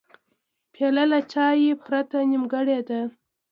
پیاله له چای پرته نیمګړې ده.